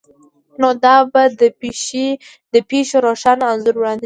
نو دا به د پیښې روښانه انځور وړاندې کړي